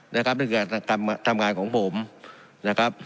นั่นคือการทำงานของผมนะครับ